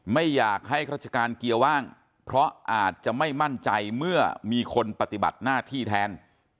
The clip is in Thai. ไม่อยากให้ราชการเกียร์ว่างเพราะอาจจะไม่มั่นใจเมื่อมีคนปฏิบัติหน้าที่แทน